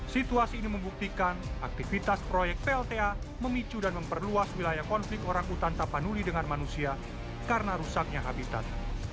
situasi ini membuktikan aktivitas proyek plta memicu dan memperluas wilayah konflik orang utan tapanuli dengan manusia karena rusaknya habitat